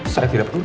saya tidak berhenti